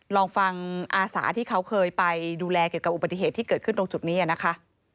ลองฟังอาสาที่เขาเคยไปดูแลเกี่ยวกับอุบัติเหตุที่เกิดขึ้นตรงจุดนี้นะคะ